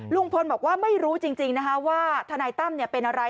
ลุงพลบอกว่าไม่รู้จริงว่าทนายตั้มเป็นอะไร